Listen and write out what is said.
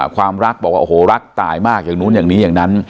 ความรักบอกว่าโอ้โหรักตายมากอย่างนู้นอย่างนี้อย่างนั้น